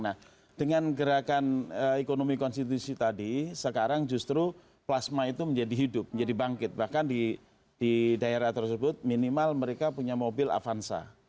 nah dengan gerakan ekonomi konstitusi tadi sekarang justru plasma itu menjadi hidup menjadi bangkit bahkan di daerah tersebut minimal mereka punya mobil avanza